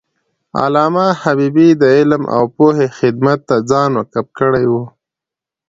علامه حبیبي د علم او پوهې خدمت ته ځان وقف کړی و.